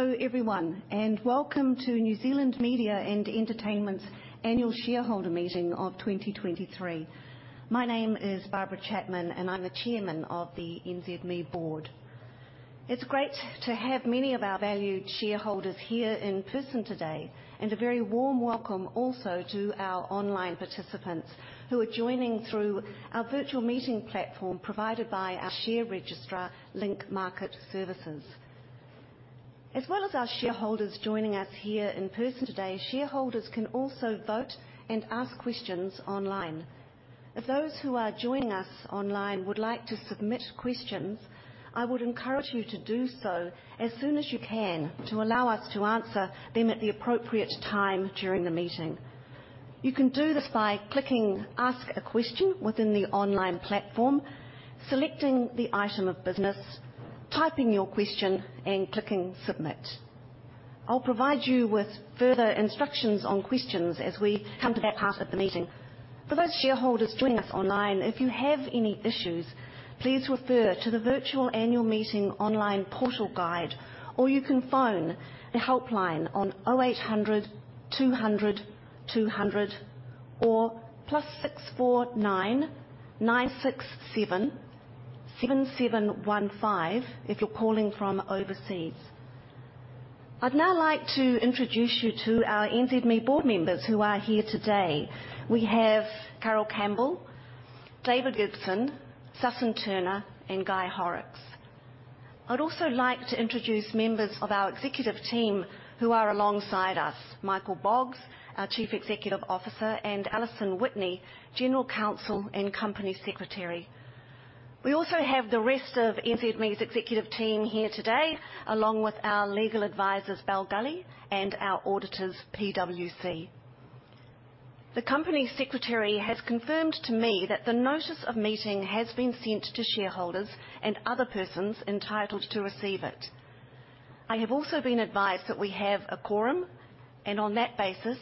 Hello everyone, welcome to New Zealand Media and Entertainment's Annual Shareholder Meeting of 2023. My name is Barbara Chapman, I'm the Chairman of the NZME Board. It's great to have many of our valued shareholders here in person today, a very warm welcome also to our online participants who are joining through our virtual meeting platform provided by our share registrar, Link Market Services. As well as our shareholders joining us here in person today, shareholders can also vote and ask questions online. If those who are joining us online would like to submit questions, I would encourage you to do so as soon as you can to allow us to answer them at the appropriate time during the meeting. You can do this by clicking Ask a Question within the online platform, selecting the item of business, typing your question, clicking Submit. I'll provide you with further instructions on questions as we come to that part of the meeting. For those shareholders joining us online, if you have any issues, please refer to the virtual Annual Meeting Online Portal Guide, or you can phone the helpline on 0800 200 200 or +64 9 967 7715 if you're calling from overseas. I'd now like to introduce you to our NZME board members who are here today. We have Carol Campbell, David Gibson, Sussan Turner, and Guy Horrocks. I'd also like to introduce members of our Executive Team who are alongside us, Michael Boggs, our Chief Executive Officer, and Allison Whitney, General Counsel and Company Secretary. We also have the rest of NZME's Executive Team here today, along with our legal advisors, Bell Gully, and our auditors, PwC. The Company Secretary has confirmed to me that the notice of meeting has been sent to shareholders and other persons entitled to receive it. I have also been advised that we have a quorum, and on that basis,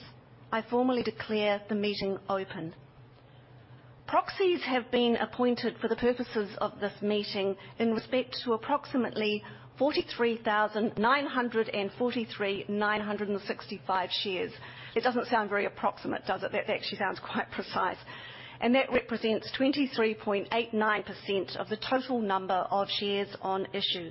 I formally declare the meeting open. Proxies have been appointed for the purposes of this meeting in respect to approximately 43,965 shares. It doesn't sound very approximate, does it? That actually sounds quite precise. That represents 23.89% of the total number of shares on issue.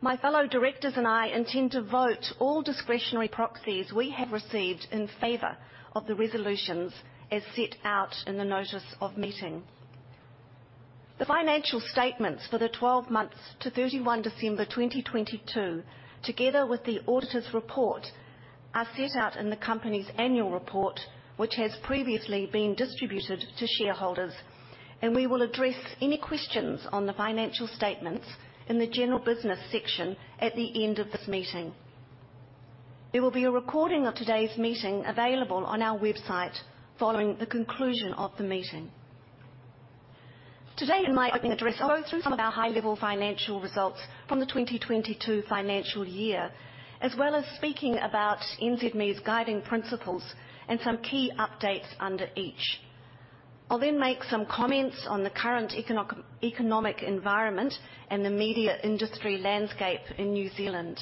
My fellow directors and I intend to vote all discretionary proxies we have received in favor of the resolutions as set out in the notice of meeting. The financial statements for the 12 months to 31 December 2022, together with the auditor's report, are set out in the company's Annual Report, which has previously been distributed to shareholders. We will address any questions on the financial statements in the general business section at the end of this meeting. There will be a recording of today's meeting available on our website following the conclusion of the meeting. Today in my opening address, I'll go through some of our high-level financial results from the 2022 financial year, as well as speaking about NZME's guiding principles and some key updates under each. I'll then make some comments on the current economic environment and the media industry landscape in New Zealand.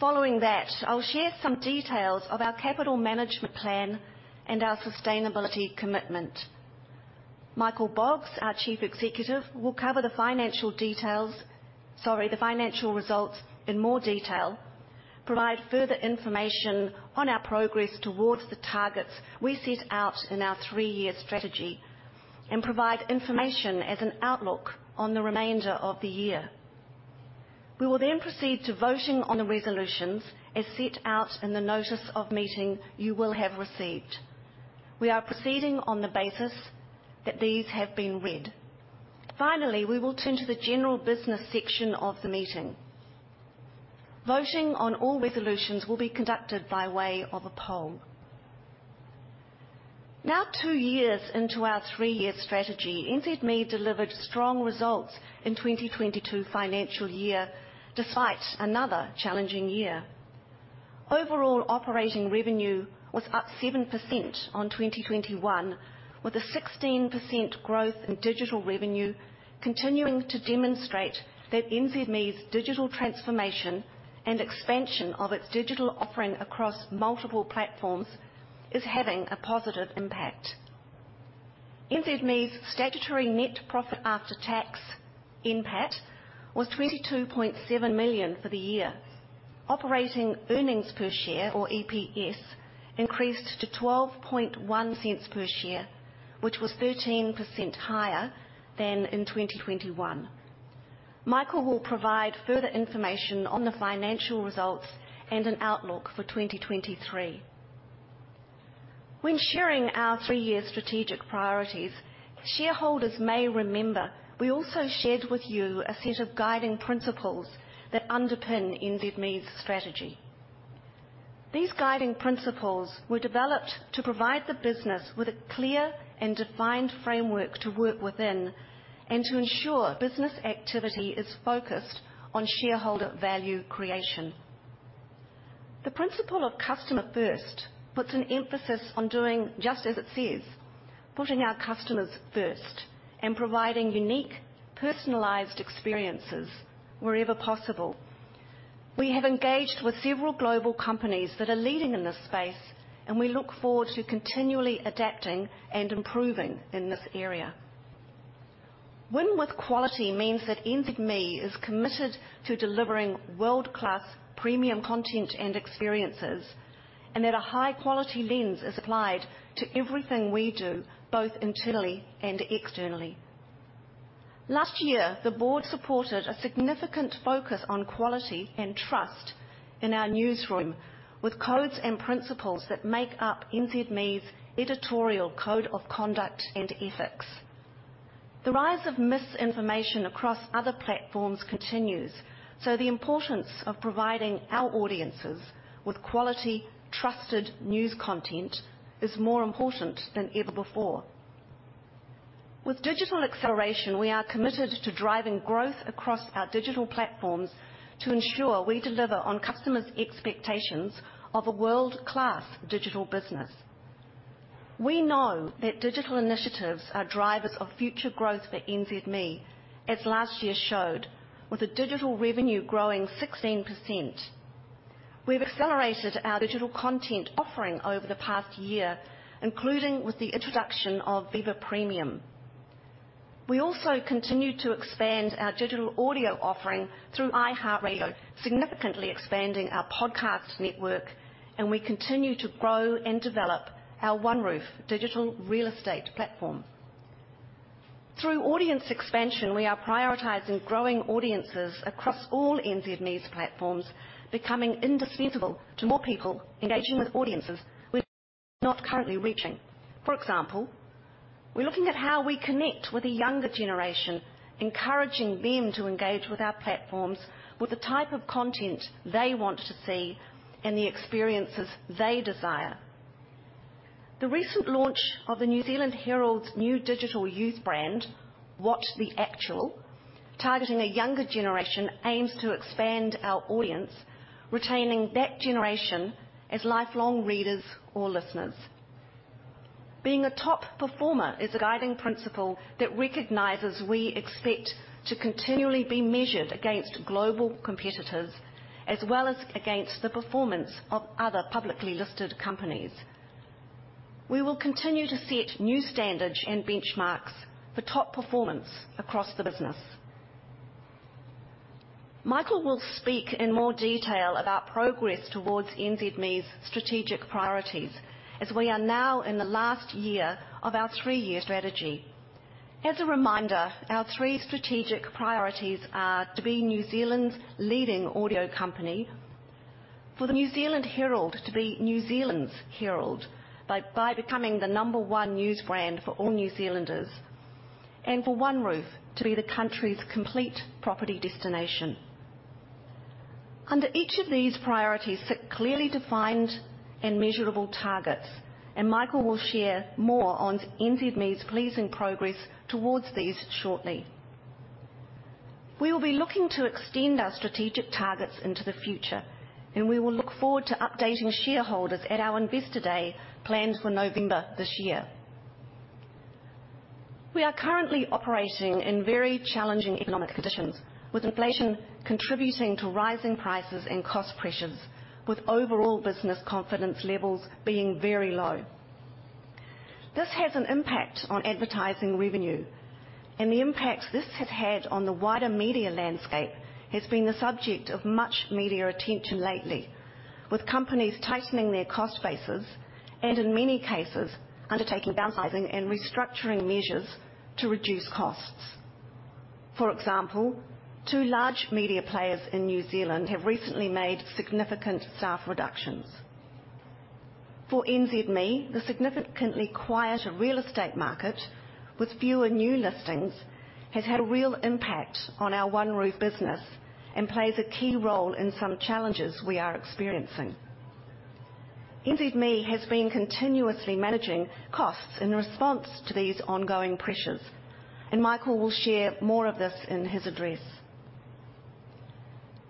Following that, I'll share some details of our capital management plan and our sustainability commitment. Michael Boggs, our Chief Executive, will cover the financial results in more detail, provide further information on our progress towards the targets we set out in our three-year strategy, and provide information as an outlook on the remainder of the year. We will proceed to voting on the resolutions as set out in the notice of meeting you will have received. We are proceeding on the basis that these have been read. Finally, we will turn to the general business section of the meeting. Voting on all resolutions will be conducted by way of a poll. Now two years into our three-year strategy, NZME delivered strong results in 2022 financial year despite another challenging year. Overall operating revenue was up 7% on 2021, with a 16% growth in digital revenue continuing to demonstrate that NZME's digital transformation and expansion of its digital offering across multiple platforms is having a positive impact. NZME's statutory net profit after tax, NPAT, was 22.7 million for the year. Operating earnings per share or EPS increased to 0.121 per share, which was 13% higher than in 2021. Michael will provide further information on the financial results and an outlook for 2023. When sharing our three-year strategic priorities, shareholders may remember we also shared with you a set of guiding principles that underpin NZME's strategy. These guiding principles were developed to provide the business with a clear and defined framework to work within and to ensure business activity is focused on shareholder value creation. The principle of customer first puts an emphasis on doing just as it says, putting our customers first and providing unique, personalized experiences wherever possible. We have engaged with several global companies that are leading in this space, and we look forward to continually adapting and improving in this area. Win with quality means that NZME is committed to delivering world-class premium content and experiences, and that a high quality lens is applied to everything we do, both internally and externally. Last year, the board supported a significant focus on quality and trust in our newsroom with codes and principles that make up NZME's editorial code of conduct and ethics. The rise of misinformation across other platforms continues. The importance of providing our audiences with quality, trusted news content is more important than ever before. With digital acceleration, we are committed to driving growth across our digital platforms to ensure we deliver on customers' expectations of a world-class digital business. We know that digital initiatives are drivers of future growth for NZME, as last year showed, with the digital revenue growing 16%. We've accelerated our digital content offering over the past year, including with the introduction of Viva Premium. We also continue to expand our digital audio offering through iHeartRadio, significantly expanding our podcast network, and we continue to grow and develop our OneRoof digital real estate platform. Through audience expansion, we are prioritizing growing audiences across all NZME's platforms, becoming indispensable to more people, engaging with audiences we're not currently reaching. For example, we're looking at how we connect with the younger generation, encouraging them to engage with our platforms with the type of content they want to see and the experiences they desire. The recent launch of the New Zealand Herald's new digital youth brand, What the Actual?!, targeting a younger generation, aims to expand our audience, retaining that generation as lifelong readers or listeners. Being a top performer is a guiding principle that recognizes we expect to continually be measured against global competitors, as well as against the performance of other publicly listed companies. We will continue to set new standards and benchmarks for top performance across the business. Michael will speak in more detail about progress towards NZME's strategic priorities as we are now in the last year of our three-year strategy. As a reminder, our three strategic priorities are to be New Zealand's leading audio company, for the New Zealand Herald to be New Zealand's Herald by becoming the number one news brand for all New Zealanders, and for OneRoof to be the country's complete property destination. Under each of these priorities sit clearly defined and measurable targets. Michael will share more on NZME's pleasing progress towards these shortly. We will be looking to extend our strategic targets into the future. We will look forward to updating shareholders at our Investor Day planned for November this year. We are currently operating in very challenging economic conditions with inflation contributing to rising prices and cost pressures, with overall business confidence levels being very low. This has an impact on advertising revenue, the impact this has had on the wider media landscape has been the subject of much media attention lately, with companies tightening their cost bases and in many cases, undertaking downsizing and restructuring measures to reduce costs. For example, two large media players in New Zealand have recently made significant staff reductions. For NZME, the significantly quieter real estate market with fewer new listings has had a real impact on our OneRoof business and plays a key role in some challenges we are experiencing. NZME has been continuously managing costs in response to these ongoing pressures, Michael will share more of this in his address.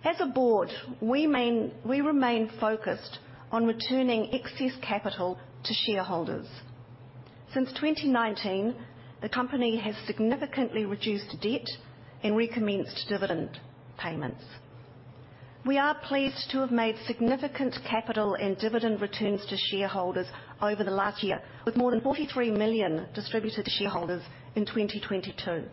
As a board, we remain focused on returning excess capital to shareholders. Since 2019, the company has significantly reduced debt and recommenced dividend payments. We are pleased to have made significant capital and dividend returns to shareholders over the last year with more than 43 million distributed to shareholders in 2022.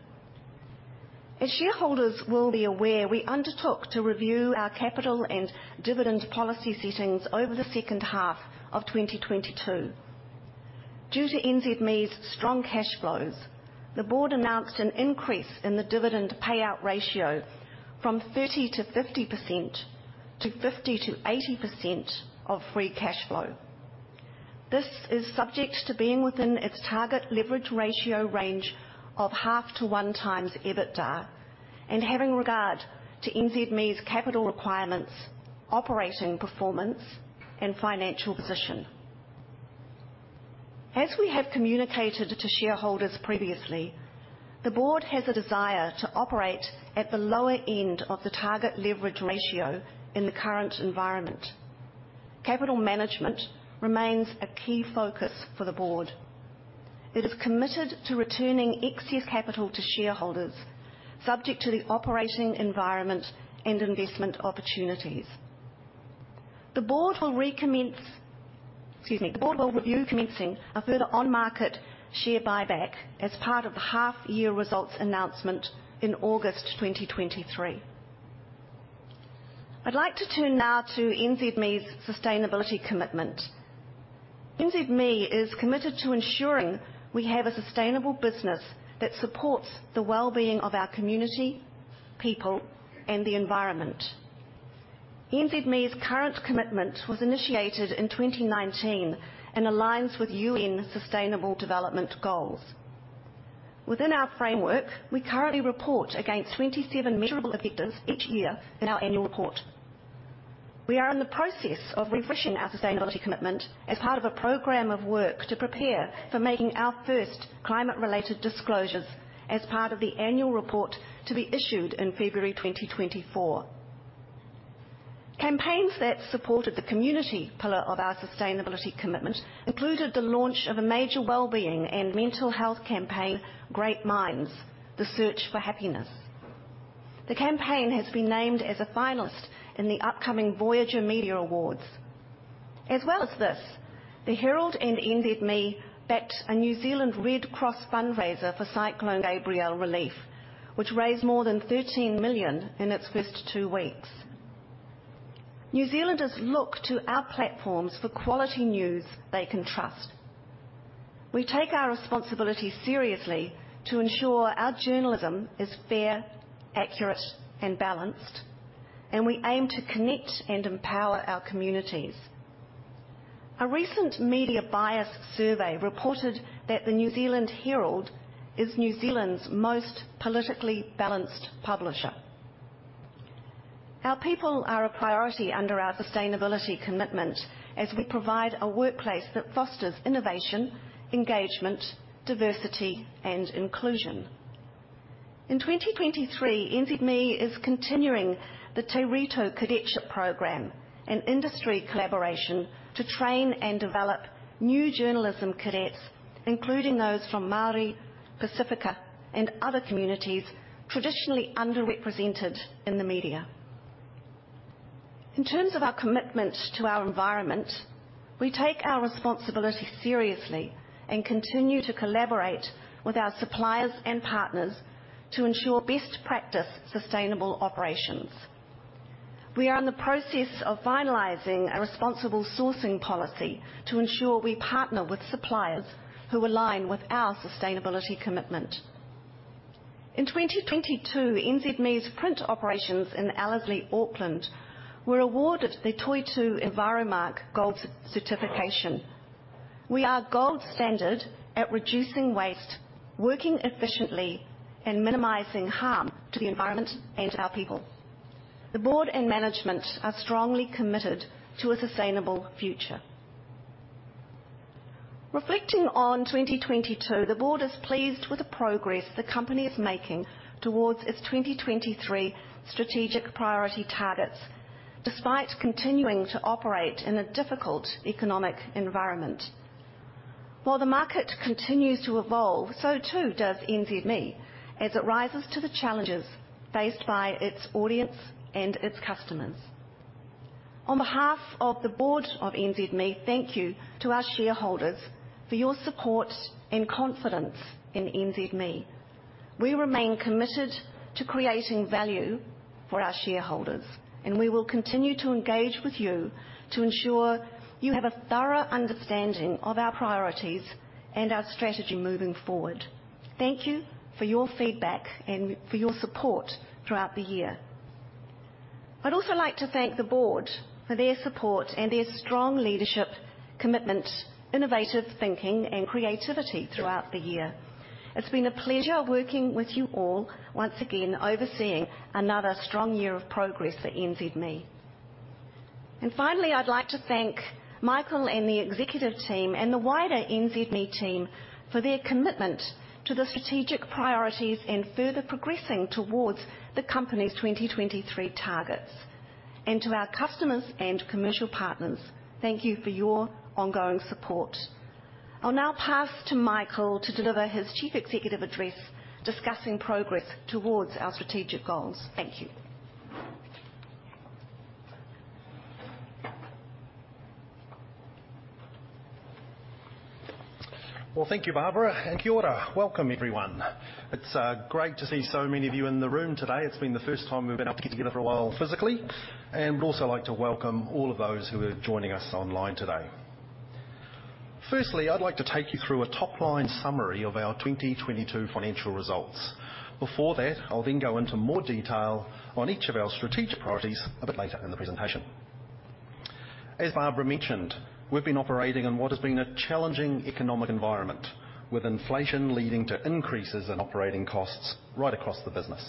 As shareholders will be aware, we undertook to review our capital and dividend policy settings over the second half of 2022. Due to NZME's strong cash flows, the board announced an increase in the dividend payout ratio from 30%-50% to 50%-80% of free cash flow. This is subject to being within its target leverage ratio range of 0.5-1x EBITDA and having regard to NZME's capital requirements, operating performance, and financial position. As we have communicated to shareholders previously, the board has a desire to operate at the lower end of the target leverage ratio in the current environment. Capital management remains a key focus for the board. It is committed to returning excess capital to shareholders subject to the operating environment and investment opportunities. The board will review commencing a further on-market share buyback as part of the half-year results announcement in August 2023. I'd like to turn now to NZME's sustainability commitment. NZME is committed to ensuring we have a sustainable business that supports the well-being of our community, people, and the environment. NZME's current commitment was initiated in 2019 and aligns with UN Sustainable Development Goals. Within our framework, we currently report against 27 measurable objectives each year in our Annual Report. We are in the process of refreshing our sustainability commitment as part of a program of work to prepare for making our first climate-related disclosures as part of the Annual Report to be issued in February 2024. Campaigns that supported the community pillar of our sustainability commitment included the launch of a major wellbeing and mental health campaign, Great Minds: The Search for Happiness. The campaign has been named as a finalist in the upcoming Voyager Media Awards. As well as this, the Herald and NZME backed a New Zealand Red Cross fundraiser for Cyclone Gabrielle relief, which raised more than 13 million in its first 2 weeks. New Zealanders look to our platforms for quality news they can trust. We take our responsibility seriously to ensure our journalism is fair, accurate, and balanced, and we aim to connect and empower our communities. A recent media bias survey reported that the New Zealand Herald is New Zealand's most politically balanced publisher. Our people are a priority under our sustainability commitment as we provide a workplace that fosters innovation, engagement, diversity, and inclusion. In 2023, NZME is continuing the Te Rito Cadetship program, an industry collaboration to train and develop new journalism cadets, including those from Māori, Pasifika, and other communities traditionally underrepresented in the media. In terms of our commitment to our environment, we take our responsibility seriously and continue to collaborate with our suppliers and partners to ensure best practice sustainable operations. We are in the process of finalizing a responsible sourcing policy to ensure we partner with suppliers who align with our sustainability commitment. In 2022, NZME's print operations in Ellerslie, Auckland were awarded the Toitū Enviromark Gold certification. We are gold standard at reducing waste, working efficiently, and minimizing harm to the environment and our people. The board and management are strongly committed to a sustainable future. Reflecting on 2022, the board is pleased with the progress the company is making towards its 2023 strategic priority targets despite continuing to operate in a difficult economic environment. While the market continues to evolve, so too does NZME as it rises to the challenges faced by its audience and its customers. On behalf of the board of NZME, thank you to our shareholders for your support and confidence in NZME. We remain committed to creating value for our shareholders. We will continue to engage with you to ensure you have a thorough understanding of our priorities and our strategy moving forward. Thank you for your feedback and for your support throughout the year. I'd also like to thank the board for their support and their strong leadership commitment, innovative thinking, and creativity throughout the year. It's been a pleasure working with you all once again overseeing another strong year of progress for NZME. Finally, I'd like to thank Michael and the Executive Team, and the wider NZME team for their commitment to the strategic priorities and further progressing towards the company's 2023 targets. To our customers and commercial partners, thank you for your ongoing support. I'll now pass to Michael to deliver his chief executive address discussing progress towards our strategic goals. Thank you. Thank you, Barbara. Kia ora. Welcome, everyone. It's great to see so many of you in the room today. It's been the first time we've been able to get together for a while physically, and we'd also like to welcome all of those who are joining us online today. I'd like to take you through a top-line summary of our 2022 financial results. Before that, I'll then go into more detail on each of our strategic priorities a bit later in the presentation. As Barbara mentioned, we've been operating in what has been a challenging economic environment, with inflation leading to increases in operating costs right across the business.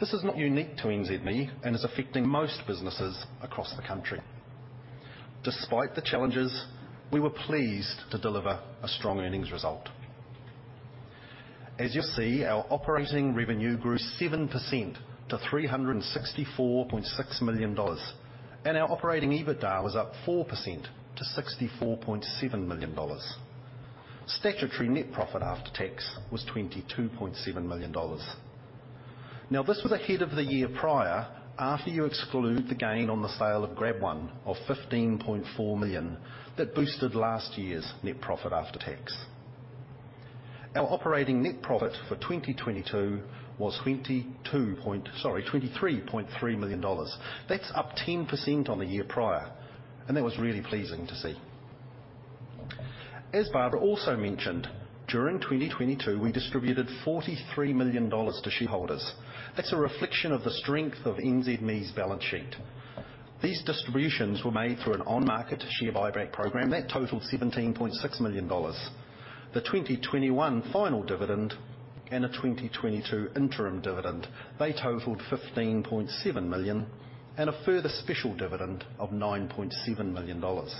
This is not unique to NZME and is affecting most businesses across the country. Despite the challenges, we were pleased to deliver a strong earnings result. As you'll see, our operating revenue grew 7% to 364.6 million dollars, our operating EBITDA was up 4% to 64.7 million dollars. Statutory net profit after tax was 22.7 million dollars. This was ahead of the year prior after you exclude the gain on the sale of GrabOne of 15.4 million that boosted last year's net profit after tax. Our operating net profit for 2022 was 23.3 million dollars. That's up 10% on the year prior, that was really pleasing to see. As Barbara also mentioned, during 2022, we distributed 43 million dollars to shareholders. That's a reflection of the strength of NZME's balance sheet. These distributions were made through an on-market share buyback program that totaled 17.6 million dollars. The 2021 final dividend and a 2022 interim dividend, they totaled 15.7 million, and a further special dividend of 9.7 million dollars.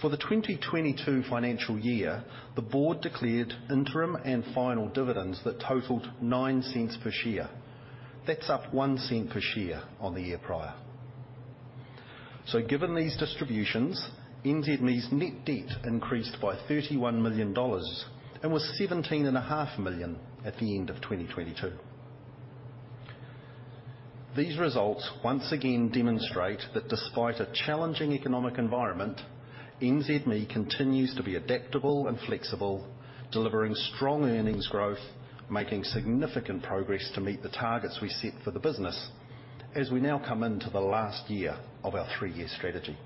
For the 2022 financial year, the board declared interim and final dividends that totaled 0.09 per share. That's up 0.01 per share on the year prior. Given these distributions, NZME's net debt increased by NZD 31 million and was NZD seventeen and a half million at the end of 2022. These results once again demonstrate that despite a challenging economic environment, NZME continues to be adaptable and flexible, delivering strong earnings growth, making significant progress to meet the targets we set for the business as we now come into the last year of our three-year strategy.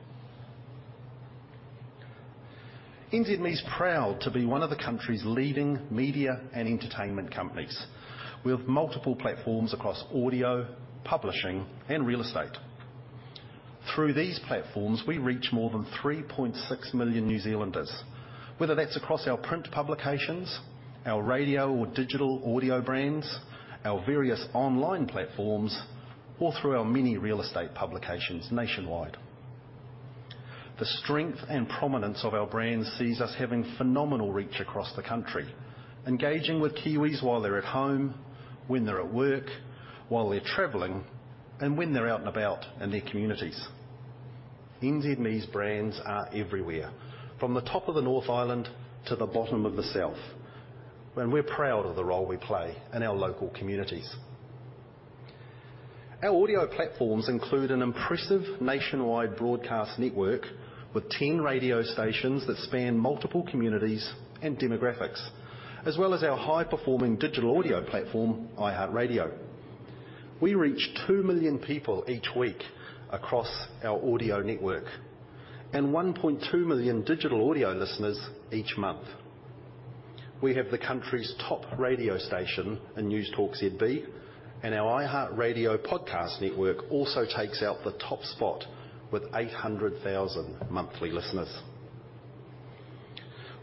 NZME's proud to be one of the country's leading media and entertainment companies. We have multiple platforms across audio, publishing, and real estate. Through these platforms, we reach more than 3.6 million New Zealanders, whether that's across our print publications, our radio or digital audio brands, our various online platforms, or through our many real estate publications nationwide. The strength and prominence of our brands sees us having phenomenal reach across the country, engaging with Kiwis while they're at home, when they're at work, while they're traveling, and when they're out and about in their communities. NZME's brands are everywhere, from the top of the North Island to the bottom of the South, and we're proud of the role we play in our local communities. Our audio platforms include an impressive nationwide broadcast network with 10 radio stations that span multiple communities and demographics, as well as our high-performing digital audio platform, iHeartRadio. We reach 2 million people each week across our audio network and 1.2 million digital audio listeners each month. We have the country's top radio station in Newstalk ZB, our iHeartRadio podcast network also takes out the top spot with 800,000 monthly listeners.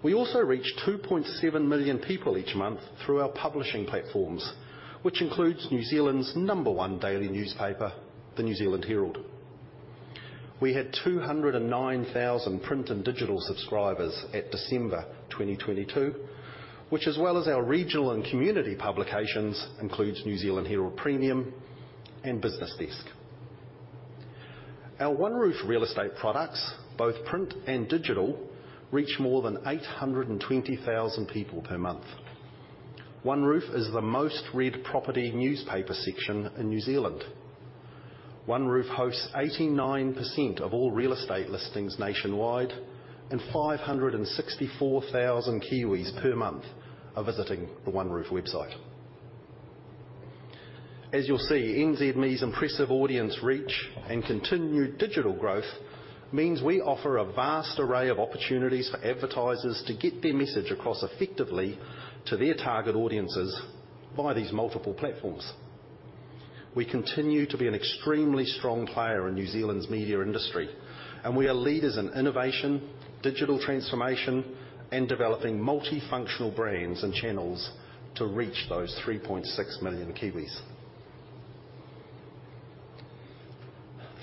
We also reach 2.7 million people each month through our publishing platforms, which includes New Zealand's number one daily newspaper, The New Zealand Herald. We had 209,000 print and digital subscribers at December 2022, which as well as our regional and community publications, includes NZ Herald Premium and BusinessDesk. Our OneRoof real estate products, both print and digital, reach more than 820,000 people per month. OneRoof is the most-read property newspaper section in New Zealand. OneRoof hosts 89% of all real estate listings nationwide. 564,000 Kiwis per month are visiting the OneRoof website. As you'll see, NZME's impressive audience reach and continued digital growth means we offer a vast array of opportunities for advertisers to get their message across effectively to their target audiences via these multiple platforms. We continue to be an extremely strong player in New Zealand's media industry. We are leaders in innovation, digital transformation, and developing multifunctional brands and channels to reach those 3.6 million Kiwis.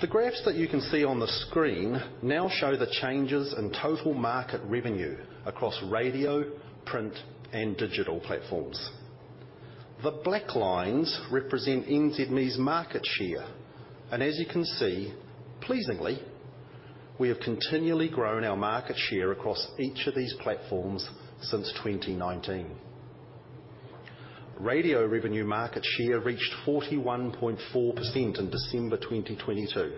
The graphs that you can see on the screen now show the changes in total market revenue across radio, print, and digital platforms. The black lines represent NZME's market share. As you can see, pleasingly, we have continually grown our market share across each of these platforms since 2019. Radio revenue market share reached 41.4% in December 2022.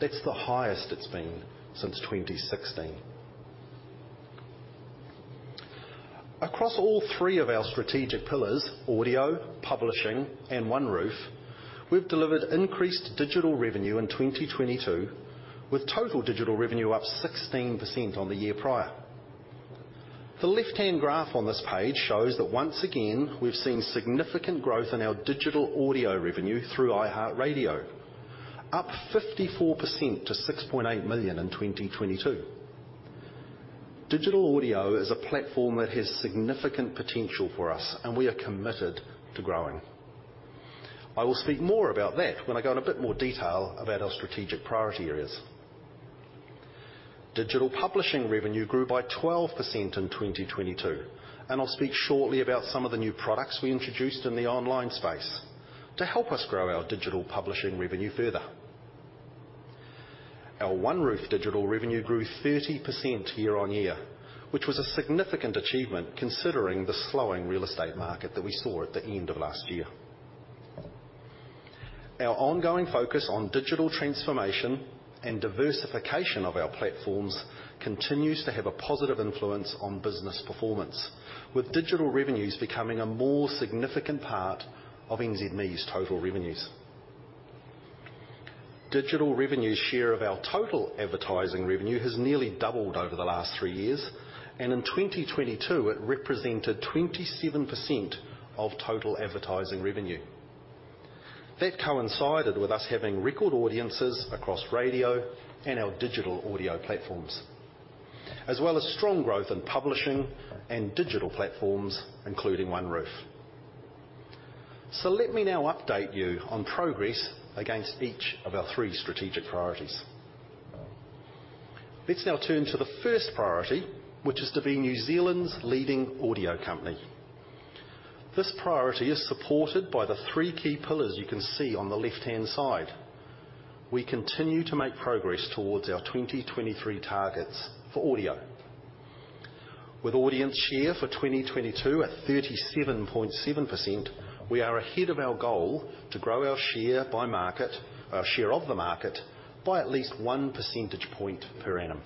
That's the highest it's been since 2016. Across all three of our strategic pillars, audio, publishing, and OneRoof, we've delivered increased digital revenue in 2022, with total digital revenue up 16% on the year prior. The left-hand graph on this page shows that once again, we've seen significant growth in our digital audio revenue through iHeartRadio, up 54% to 6.8 million in 2022. Digital audio is a platform that has significant potential for us, and we are committed to growing. I will speak more about that when I go in a bit more detail about our strategic priority areas. Digital publishing revenue grew by 12% in 2022. I'll speak shortly about some of the new products we introduced in the online space to help us grow our digital publishing revenue further. Our OneRoof digital revenue grew 30% year-on-year, which was a significant achievement considering the slowing real estate market that we saw at the end of last year. Our ongoing focus on digital transformation and diversification of our platforms continues to have a positive influence on business performance, with digital revenues becoming a more significant part of NZME's total revenues. Digital revenue share of our total advertising revenue has nearly doubled over the last three years. In 2022, it represented 27% of total advertising revenue. That coincided with us having record audiences across radio and our digital audio platforms, as well as strong growth in publishing and digital platforms, including OneRoof. Let me now update you on progress against each of our three strategic priorities. Let's now turn to the first priority, which is to be New Zealand's leading audio company. This priority is supported by the three key pillars you can see on the left-hand side. We continue to make progress towards our 2023 targets for audio. With audience share for 2022 at 37.7%, we are ahead of our goal to grow our share of the market by at least 1 percentage point per annum.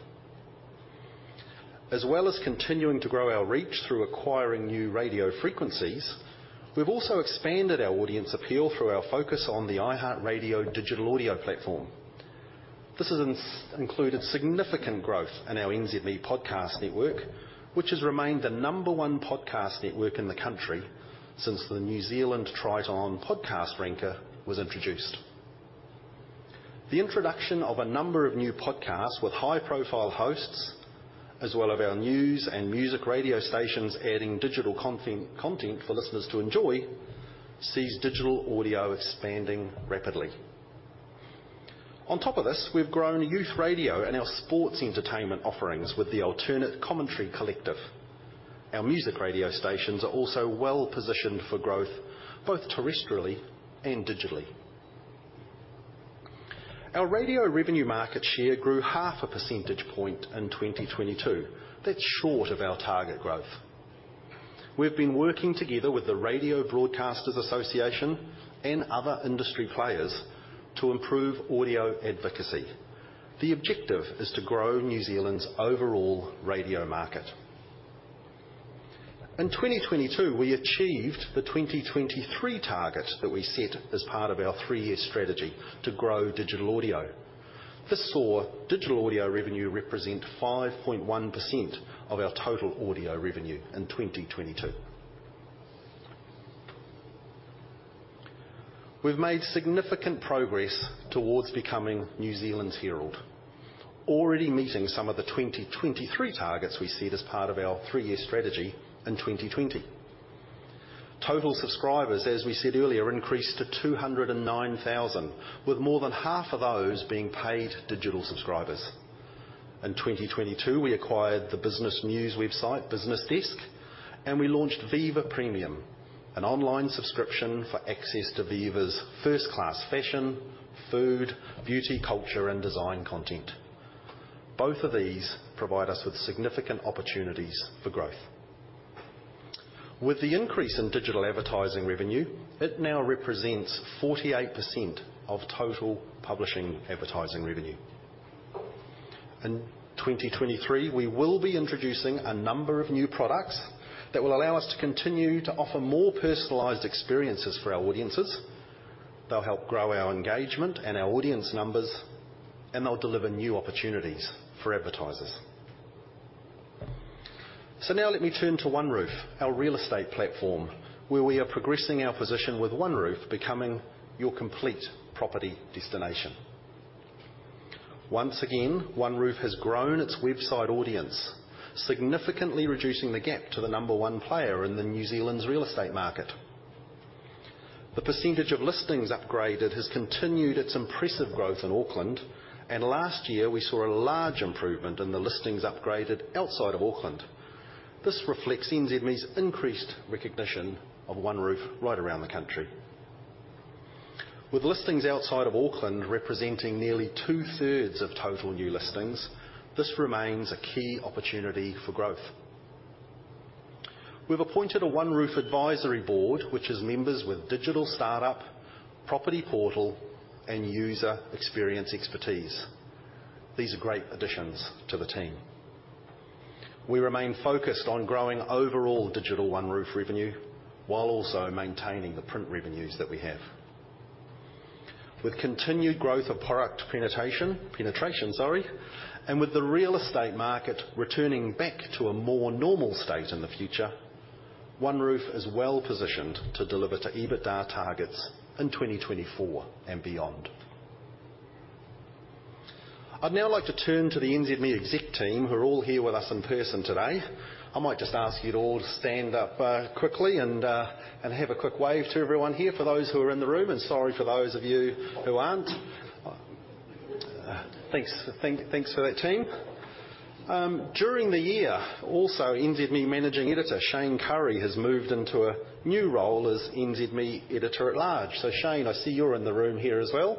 As well as continuing to grow our reach through acquiring new radio frequencies, we've also expanded our audience appeal through our focus on the iHeartRadio digital audio platform. This has included significant growth in our NZME podcast network, which has remained the number one podcast network in the country since the New Zealand Triton Podcast Ranker was introduced. The introduction of a number of new podcasts with high-profile hosts, as well as our news and music radio stations adding digital content for listeners to enjoy, sees digital audio expanding rapidly. On top of this, we've grown youth radio and our sports entertainment offerings with the Alternative Commentary Collective. Our music radio stations are also well-positioned for growth, both terrestrially and digitally. Our radio revenue market share grew half a percentage point in 2022. That's short of our target growth. We've been working together with the Radio Broadcasters Association and other industry players to improve audio advocacy. The objective is to grow New Zealand's overall radio market. In 2022, we achieved the 2023 target that we set as part of our three-year strategy to grow digital audio. This saw digital audio revenue represent 5.1% of our total audio revenue in 2022. We've made significant progress towards becoming New Zealand Herald, already meeting some of the 2023 targets we set as part of our 3-year strategy in 2020. Total subscribers, as we said earlier, increased to 209,000, with more than half of those being paid digital subscribers. In 2022, we acquired the business news website, BusinessDesk, and we launched Viva Premium, an online subscription for access to Viva's first-class fashion, food, beauty, culture, and design content. Both of these provide us with significant opportunities for growth. With the increase in digital advertising revenue, it now represents 48% of total publishing advertising revenue. In 2023, we will be introducing a number of new products that will allow us to continue to offer more personalized experiences for our audiences. They'll help grow our engagement and our audience numbers, they'll deliver new opportunities for advertisers. Now let me turn to OneRoof, our real estate platform, where we are progressing our position with OneRoof becoming your complete property destination. Once again, OneRoof has grown its website audience, significantly reducing the gap to the number one player in the New Zealand's real estate market. The percentage of listings upgraded has continued its impressive growth in Auckland, last year, we saw a large improvement in the listings upgraded outside of Auckland. This reflects NZME's increased recognition of OneRoof right around the country. With listings outside of Auckland representing nearly two-thirds of total new listings, this remains a key opportunity for growth. We've appointed a OneRoof advisory board, which has members with digital startup, property portal, and user experience expertise. These are great additions to the team. We remain focused on growing overall digital OneRoof revenue while also maintaining the print revenues that we have. With continued growth of product penetration, sorry, and with the real estate market returning back to a more normal state in the future, OneRoof is well-positioned to deliver to EBITDA targets in 2024 and beyond. I'd now like to turn to the NZME Executive Team, who are all here with us in person today. I might just ask you to all stand up quickly and have a quick wave to everyone here for those who are in the room, and sorry for those of you who aren't. Thanks for that, team. During the year, also, NZME Managing Editor Shayne Currie has moved into a new role as NZME Editor at Large. Shayne, I see you're in the room here as well.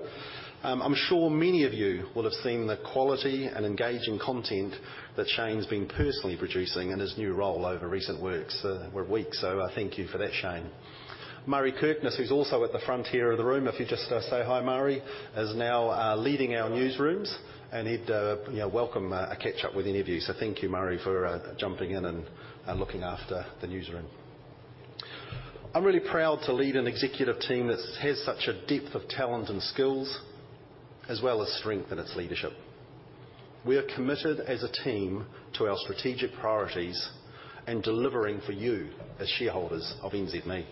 I'm sure many of you will have seen the quality and engaging content that Shayne's been personally producing in his new role over recent works or weeks. Thank you for that, Shayne. Murray Kirkness, who's also at the front here of the room, if you just say hi, Murray, is now leading our newsrooms, and he'd welcome a catch-up with any of you. Thank you, Murray, for jumping in and looking after the newsroom. I'm really proud to lead an Executive Team that has such a depth of talent and skills, as well as strength in its leadership. We are committed as a team to our strategic priorities and delivering for you as shareholders of NZME.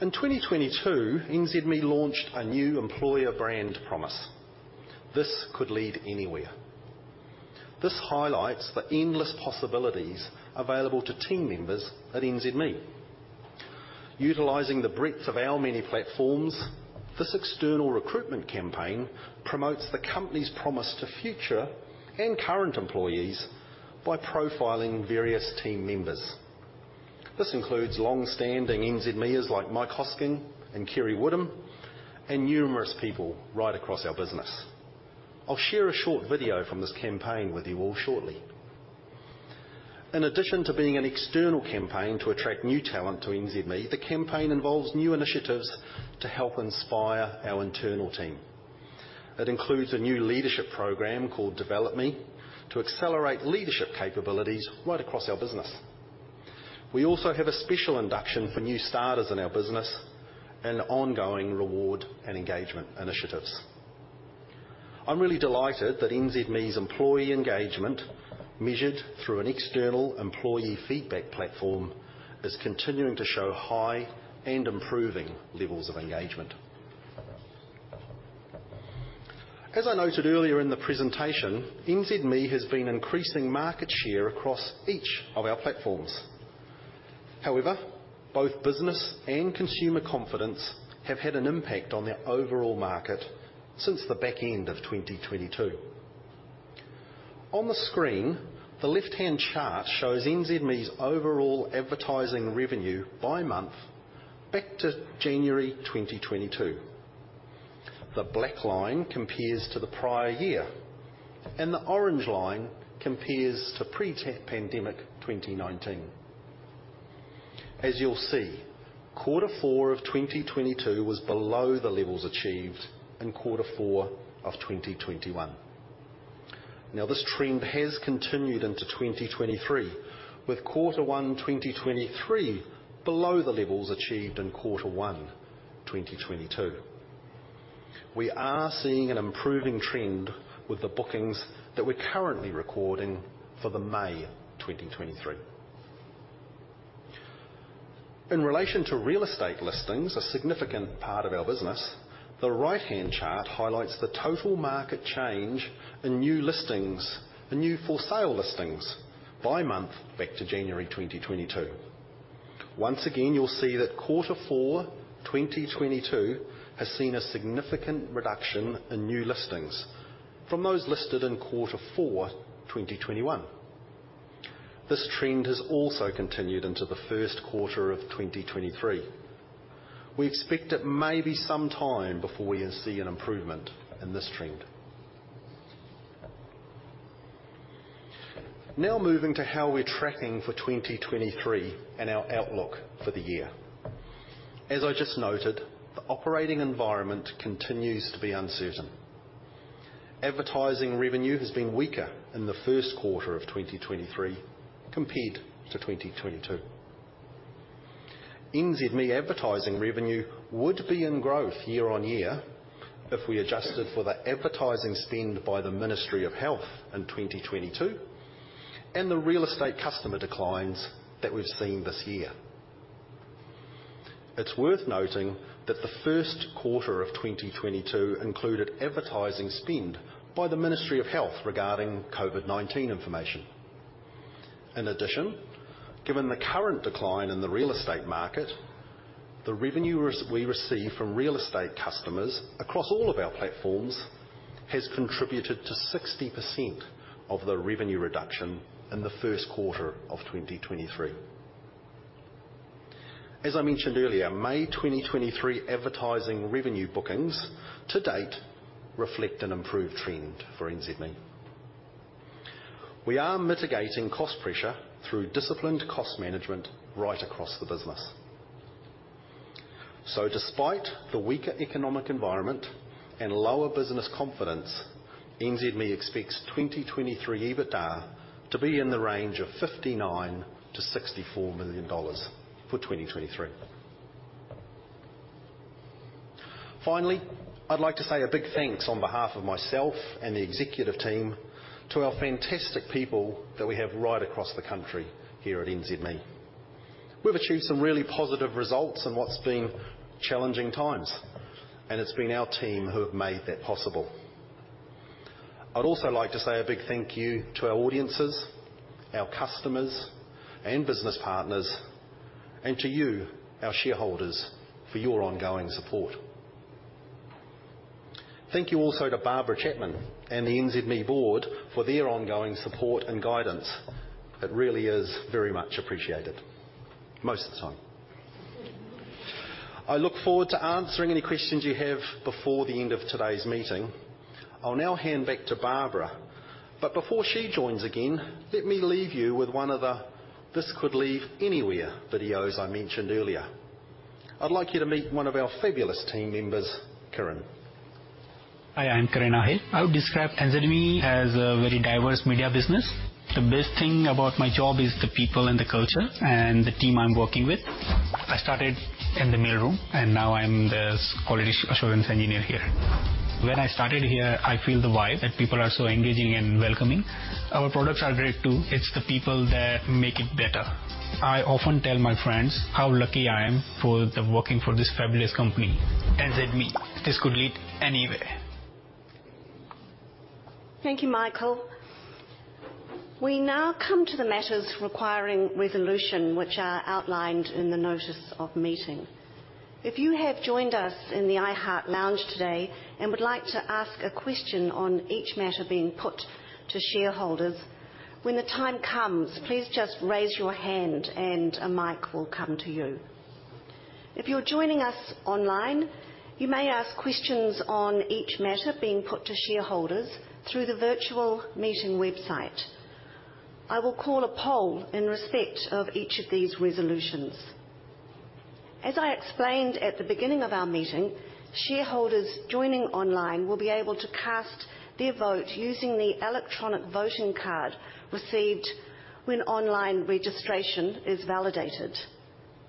In 2022, NZME launched a new employer brand promise, "This could lead anywhere." This highlights the endless possibilities available to team members at NZME. Utilizing the breadth of our many platforms, this external recruitment campaign promotes the company's promise to future and current employees by profiling various team members. This includes long-standing NZMiers like Mike Hosking and Kerre Woodham, and numerous people right across our business. I'll share a short video from this campaign with you all shortly. In addition to being an external campaign to attract new talent to NZME, the campaign involves new initiatives to help inspire our internal team. It includes a new leadership program called Develop Me to accelerate leadership capabilities right across our business. We also have a special induction for new starters in our business and ongoing reward and engagement initiatives. I'm really delighted that NZME's employee engagement, measured through an external employee feedback platform, is continuing to show high and improving levels of engagement. As I noted earlier in the presentation, NZME has been increasing market share across each of our platforms. However, both business and consumer confidence have had an impact on the overall market since the back end of 2022. On the screen, the left-hand chart shows NZME's overall advertising revenue by month back to January 2022. The black line compares to the prior year, and the orange line compares to pre-pandemic 2019. As you'll see, quarter four of 2022 was below the levels achieved in quarter four of 2021. Now this trend has continued into 2023, with quarter one 2023 below the levels achieved in quarter one 2022. We are seeing an improving trend with the bookings that we're currently recording for May 2023. In relation to real estate listings, a significant part of our business, the right-hand chart highlights the total market change in new listings and new for sale listings by month back to January 2022. Once again, you'll see that Q4 2022 has seen a significant reduction in new listings from those listed in Q4 2021. This trend has also continued into the first quarter of 2023. We expect it may be some time before we see an improvement in this trend. Moving to how we're tracking for 2023 and our outlook for the year. As I just noted, the operating environment continues to be uncertain. Advertising revenue has been weaker in the first quarter of 2023 compared to 2022. NZME advertising revenue would be in growth year-on-year if we adjusted for the advertising spend by the Ministry of Health in 2022 and the real estate customer declines that we've seen this year. It's worth noting that the first quarter of 2022 included advertising spend by the Ministry of Health regarding COVID-19 information. Given the current decline in the real estate market, the revenue we receive from real estate customers across all of our platforms has contributed to 60% of the revenue reduction in the first quarter of 2023. As I mentioned earlier, May 2023 advertising revenue bookings to date reflect an improved trend for NZME. We are mitigating cost pressure through disciplined cost management right across the business. Despite the weaker economic environment and lower business confidence, NZME expects 2023 EBITDA to be in the range of 59 million to 64 million dollars for 2023. Finally, I'd like to say a big thanks on behalf of myself and the Executive Team to our fantastic people that we have right across the country here at NZME. We've achieved some really positive results in what's been challenging times, and it's been our team who have made that possible. I'd also like to say a big thank you to our audiences, our customers, and business partners, and to you, our shareholders, for your ongoing support. Thank you also to Barbara Chapman and the NZME board for their ongoing support and guidance. It really is very much appreciated most of the time. I look forward to answering any questions you have before the end of today's meeting. I'll now hand back to Barbara. Before she joins again, let me leave you with one of the "This Could Lead Anywhere" videos I mentioned earlier. I'd like you to meet one of our fabulous team members, Kiran. Hi, I'm Kiran Ahir. I would describe NZME as a very diverse media business. The best thing about my job is the people, and the culture, and the team I'm working with. I started in the mail room, and now I'm the quality assurance engineer here. When I started here, I feel the vibe that people are so engaging and welcoming. Our products are great, too. It's the people that make it better. I often tell my friends how lucky I am for working for this fabulous company. NZME: This Could Lead Anywhere. Thank you, Michael. We now come to the matters requiring resolution, which are outlined in the notice of meeting. If you have joined us in the iHeart Lounge today and would like to ask a question on each matter being put to shareholders, when the time comes, please just raise your hand and a mic will come to you. If you're joining us online, you may ask questions on each matter being put to shareholders through the virtual meeting website. I will call a poll in respect of each of these resolutions. As I explained at the beginning of our meeting, shareholders joining online will be able to cast their vote using the electronic voting card received when online registration is validated.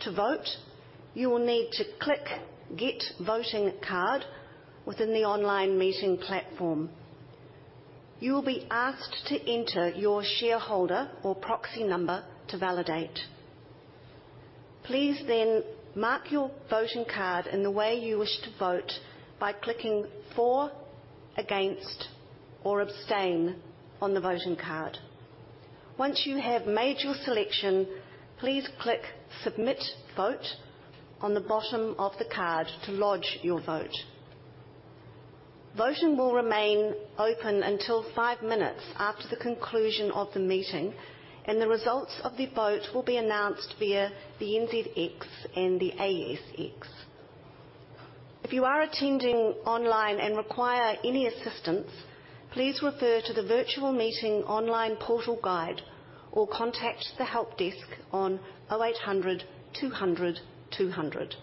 To vote, you will need to click Get Voting Card within the online meeting platform. You will be asked to enter your shareholder or proxy number to validate. Please mark your voting card in the way you wish to vote by clicking For, Against, or Abstain on the voting card. Once you have made your selection, please click Submit Vote on the bottom of the card to lodge your vote. Voting will remain open until five minutes after the conclusion of the meeting, and the results of the vote will be announced via the NZX and the ASX. If you are attending online and require any assistance, please refer to the virtual meeting online portal guide or contact the help desk on 0800 200200.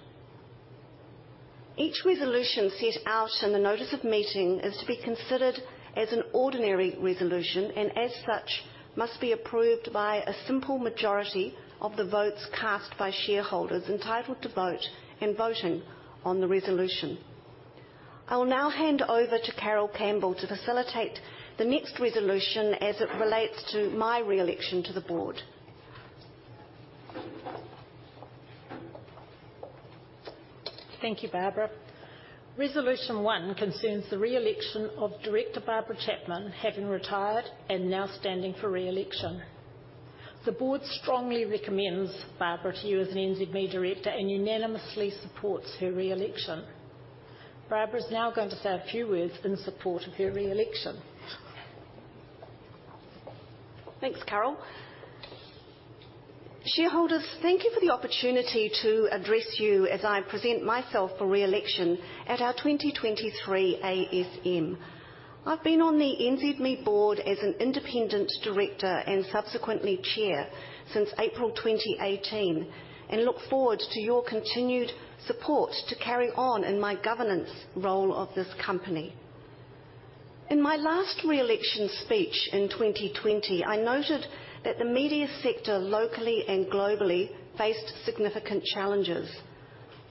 Each resolution set out in the notice of meeting is to be considered as an ordinary resolution, and as such, must be approved by a simple majority of the votes cast by shareholders entitled to vote in voting on the resolution. I will now hand over to Carol Campbell to facilitate the next resolution as it relates to my re-election to the board. Thank you, Barbara. Resolution one concerns the re-election of Director Barbara Chapman, having retired and now standing for re-election. The board strongly recommends Barbara to you as an NZME director and unanimously supports her re-election. Barbara is now going to say a few words in support of her re-election. Thanks, Carol. Shareholders, thank you for the opportunity to address you as I present myself for re-election at our 2023 ASM. I've been on the NZME board as an independent director and subsequently Chair since April 2018 and look forward to your continued support to carry on in my governance role of this company. In my last re-election speech in 2020, I noted that the media sector, locally and globally, faced significant challenges.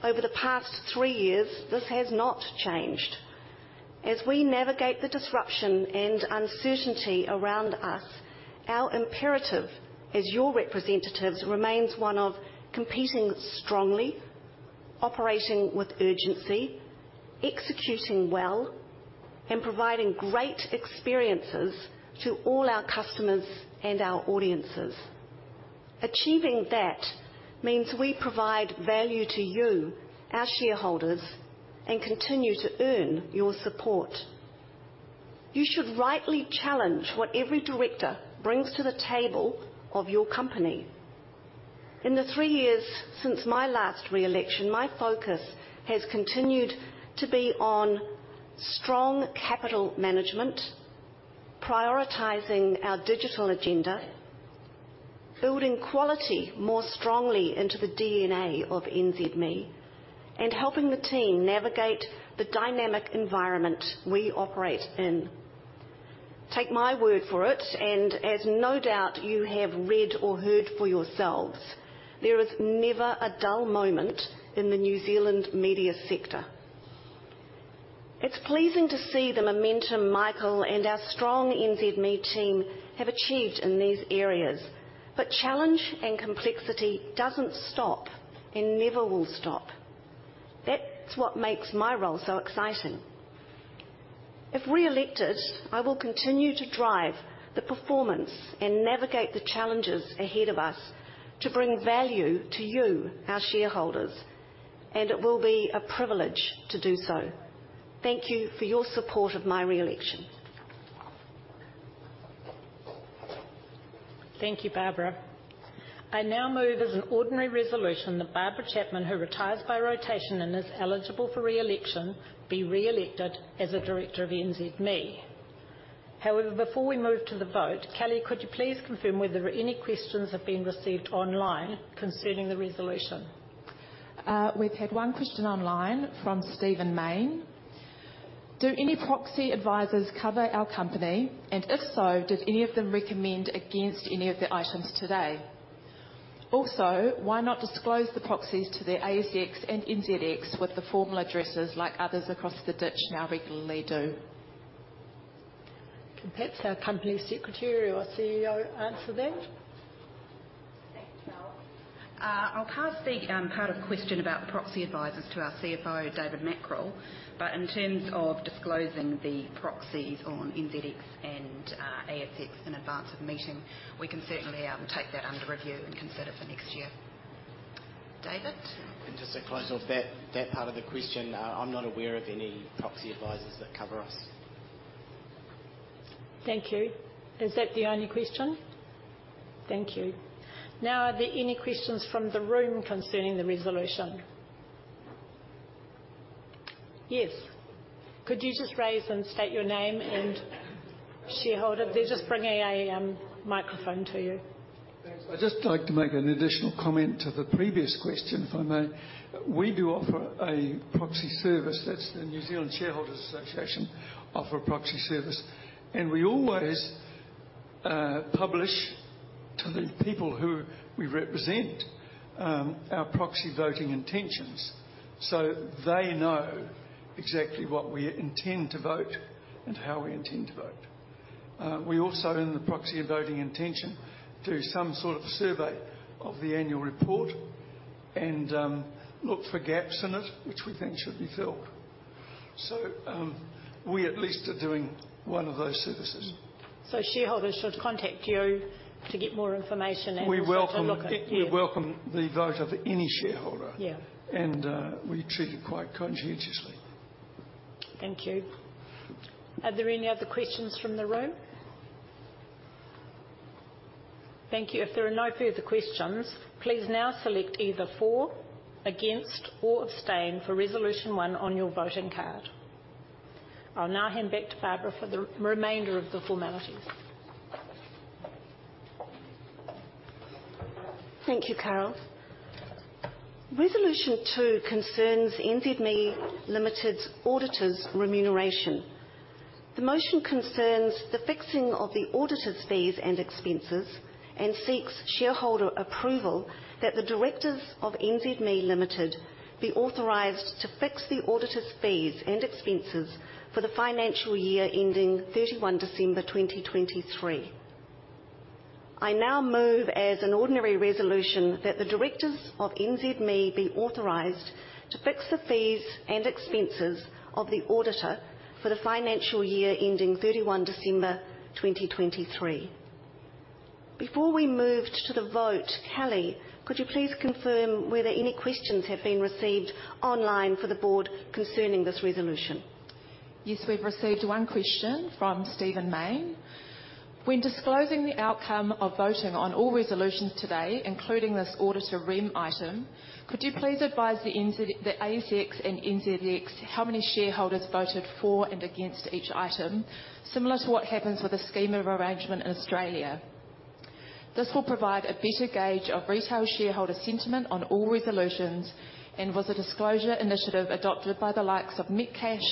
Over the past three years, this has not changed. As we navigate the disruption and uncertainty around us, our imperative as your representatives remains one of competing strongly, operating with urgency, executing well, and providing great experiences to all our customers and our audiences. Achieving that means we provide value to you, our shareholders, and continue to earn your support. You should rightly challenge what every director brings to the table of your company. In the three years since my last re-election, my focus has continued to be on strong capital management, prioritizing our digital agenda, building quality more strongly into the DNA of NZME, and helping the team navigate the dynamic environment we operate in. Take my word for it, and as no doubt you have read or heard for yourselves, there is never a dull moment in the New Zealand media sector. It's pleasing to see the momentum Michael and our strong NZME team have achieved in these areas. Challenge and complexity doesn't stop and never will stop. That's what makes my role so exciting. If reelected, I will continue to drive the performance and navigate the challenges ahead of us to bring value to you, our shareholders, and it will be a privilege to do so. Thank you for your support of my reelection. Thank you, Barbara. I now move as an ordinary resolution that Barbara Chapman, who retires by rotation and is eligible for reelection, be reelected as a director of NZME. However, before we move to the vote, Kelly, could you please confirm whether any questions have been received online concerning the resolution? We've had one question online from Stephen Mayne. Do any proxy advisors cover our company? If so, did any of them recommend against any of the items today? Why not disclose the proxies to the ASX and NZX with the formal addresses like others across the ditch now regularly do? Can perhaps our Company Secretary or CEO answer that. Thanks, Carol. I'll cast the part of the question about proxy advisors to our CFO, David Mackrell. In terms of disclosing the proxies on NZX and ASX in advance of the meeting, we can certainly take that under review and consider for next year. David? Just to close off that part of the question, I'm not aware of any proxy advisors that cover us. Thank you. Is that the only question? Thank you. Are there any questions from the room concerning the resolution? Yes. Could you just raise and state your name and shareholder? They're just bringing a microphone to you. Thanks. I'd just like to make an additional comment to the previous question, if I may. We do offer a proxy service. That's the New Zealand Shareholders' Association offer a proxy service. We always publish to the people who we represent, our proxy voting intentions, so they know exactly what we intend to vote and how we intend to vote. We also, in the proxy voting intention, do some sort of a survey of the Annual Report and look for gaps in it which we think should be filled. We at least are doing one of those services. Shareholders should contact you to get more information to look at. Yeah. We welcome the vote of any shareholder. We treat it quite conscientiously. Thank you. Are there any other questions from the room? Thank you. If there are no further questions, please now select either for, against, or abstain for resolution 1 on your voting card. I'll now hand back to Barbara for the remainder of the formalities. Thank you, Carol. Resolution 2 concerns NZME Limited's auditor's remuneration. The motion concerns the fixing of the auditor's fees and expenses and seeks shareholder approval that the directors of NZME Limited be authorized to fix the auditor's fees and expenses for the financial year ending 31 December 2023. I now move as an ordinary resolution that the directors of NZME be authorized to fix the fees and expenses of the auditor for the financial year ending 31 December 2023. Before we move to the vote, Kelly, could you please confirm whether any questions have been received online for the board concerning this resolution? Yes, we've received one question from Stephen Mayne. When disclosing the outcome of voting on all resolutions today, including this auditor rem item, could you please advise the ASX and NZX how many shareholders voted for and against each item, similar to what happens with a scheme of arrangement in Australia. This will provide a better gauge of retail shareholder sentiment on all resolutions and was a disclosure initiative adopted by the likes of Metcash,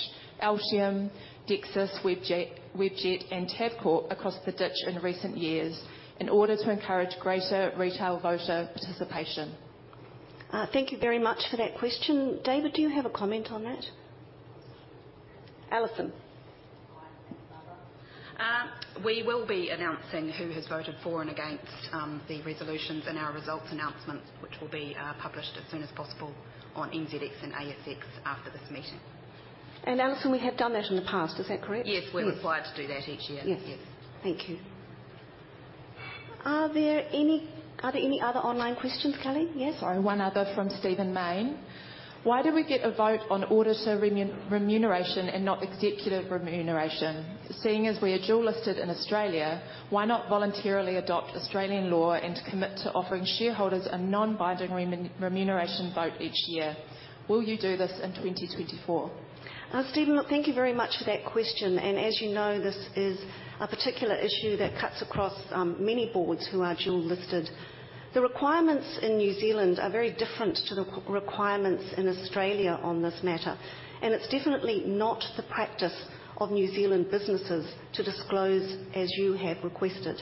Altium, Dexus, Webjet, and Tabcorp across the ditch in recent years in order to encourage greater retail voter participation. Thank you very much for that question. David, do you have a comment on that? Allison? Hi. Thanks, Barbara. We will be announcing who has voted for and against the resolutions in our results announcements, which will be published as soon as possible on NZX and ASX after this meeting. Alison, we have done that in the past. Is that correct? We're required to do that each year. Thank you. Are there any other online questions, Kelly? Yes. Sorry. One other from Stephen Mayne. Why do we get a vote on auditor remuneration and not executive remuneration? Seeing as we are dual listed in Australia, why not voluntarily adopt Australian law and commit to offering shareholders a non-binding remuneration vote each year? Will you do this in 2024? Stephen, thank you very much for that question. As you know, this is a particular issue that cuts across many boards who are dual listed. The requirements in New Zealand are very different to the requirements in Australia on this matter, and it's definitely not the practice of New Zealand businesses to disclose as you have requested.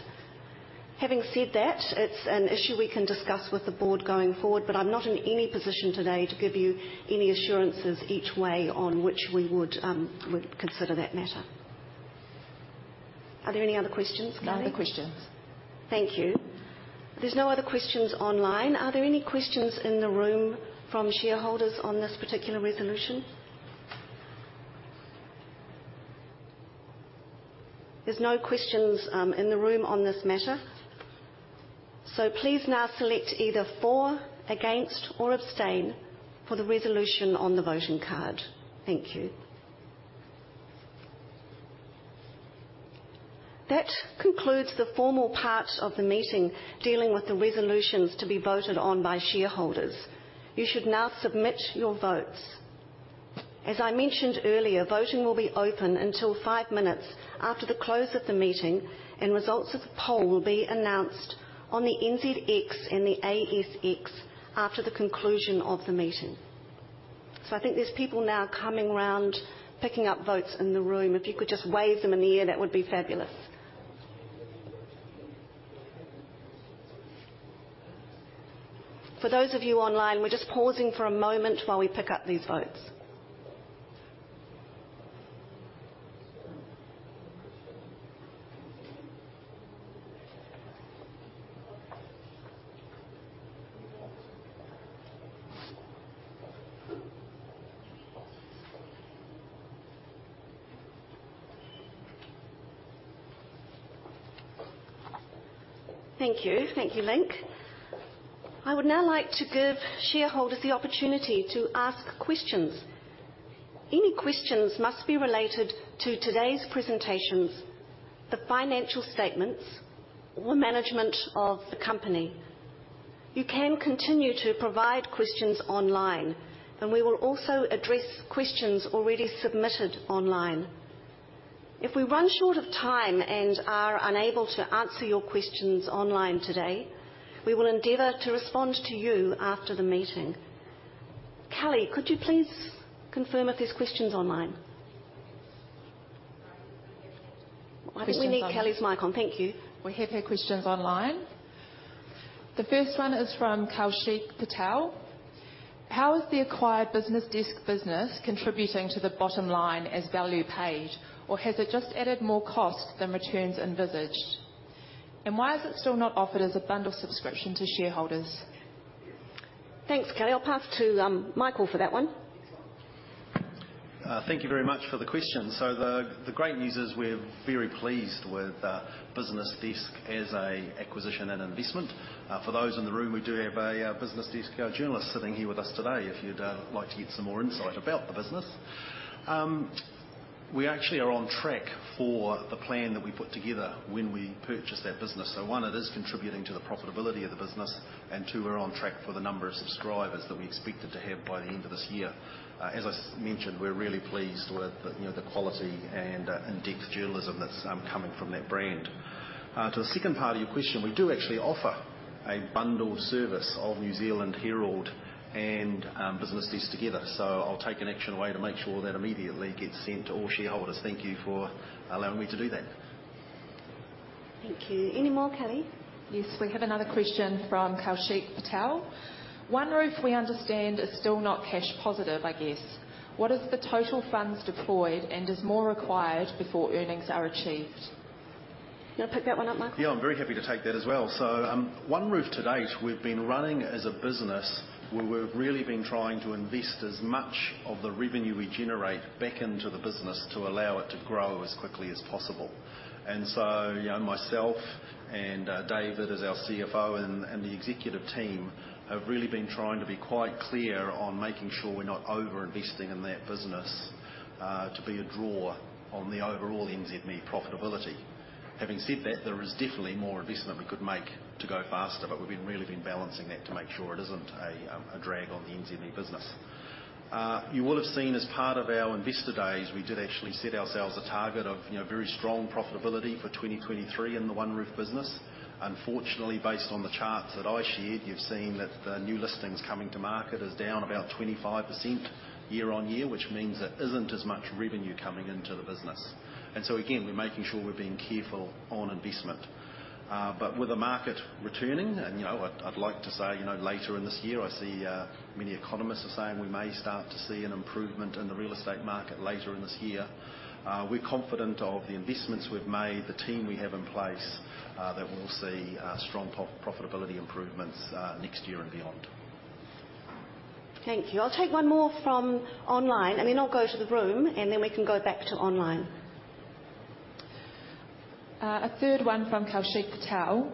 Having said that, it's an issue we can discuss with the board going forward, but I'm not in any position today to give you any assurances each way on which we would consider that matter. Are there any other questions online? No other questions. Thank you. There's no other questions online. Are there any questions in the room from shareholders on this particular resolution? There's no questions in the room on this matter. Please now select either for, against, or abstain for the resolution on the voting card. Thank you. That concludes the formal part of the meeting dealing with the resolutions to be voted on by shareholders. You should now submit your votes. As I mentioned earlier, voting will be open until five minutes after the close of the meeting, and results of the poll will be announced on the NZX and the ASX after the conclusion of the meeting. I think there's people now coming around picking up votes in the room. If you could just wave them in the air, that would be fabulous. For those of you online, we're just pausing for a moment while we pick up these votes. Thank you. Thank you, Linc. I would now like to give shareholders the opportunity to ask questions. Any questions must be related to today's presentations, the financial statements, or management of the company. You can continue to provide questions online, and we will also address questions already submitted online. If we run short of time and are unable to answer your questions online today, we will endeavor to respond to you after the meeting. Kelly, could you please confirm if there's questions online? We have had questions online. The first one is from Kaushik Patel. How is the acquired BusinessDesk business contributing to the bottom line as value paid, or has it just added more cost than returns envisaged? Why is it still not offered as a bundle subscription to shareholders? Thanks, Kelly. I'll pass to Michael for that one. Thank you very much for the question. The great news is we're very pleased with BusinessDesk as a acquisition and investment. For those in the room, we do have a BusinessDesk journalist sitting here with us today if you'd like to get some more insight about the business. We actually are on track for the plan that we put together when we purchased that business. One, it is contributing to the profitability of the business, and two, we're on track for the number of subscribers that we expected to have by the end of this year. As I mentioned, we're really pleased with the quality and in-depth journalism that's coming from that brand. To the second part of your question, we do actually offer a bundled service of New Zealand Herald and BusinessDesk together. I'll take an action away to make sure that immediately gets sent to all shareholders. Thank you for allowing me to do that. Thank you. Any more, Kelly? Yes. We have another question from Kaushik Patel. OneRoof, we understand, is still not cash positive, I guess. What is the total funds deployed, and is more required before earnings are achieved? You want to pick that one up, Michael? I'm very happy to take that as well. OneRoof to date, we've been running as a business where we've really been trying to invest as much of the revenue we generate back into the business to allow it to grow as quickly as possible. Myself and David, as our CFO, and the Executive Team have really been trying to be quite clear on making sure we're not over-investing in that business, to be a draw on the overall NZME profitability. Having said that, there is definitely more investment we could make to go faster, we've been really been balancing that to make sure it isn't a drag on the NZME business. You will have seen as part of our Investor Days, we did actually set ourselves a target of very strong profitability for 2023 in the OneRoof business. Unfortunately, based on the charts that I shared, you've seen that the new listings coming to market is down about 25% year-on-year, which means there isn't as much revenue coming into the business. Again, we're making sure we're being careful on investment. With the market returning and I'd like to say later in this year, I see many economists are saying we may start to see an improvement in the real estate market later in this year. We're confident of the investments we've made, the team we have in place, that we'll see strong profitability improvements next year and beyond. Thank you. I'll take one more from online, and then I'll go to the room, and then we can go back to online. A third one from Kaushik Patel.